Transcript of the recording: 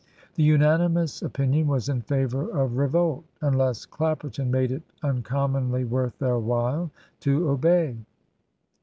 The unanimous opinion was in favour of revolt, unless Clapperton made it uncommonly worth their while to obey.